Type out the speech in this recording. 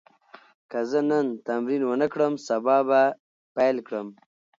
که زه نن تمرین ونه کړم، سبا به پیل کړم.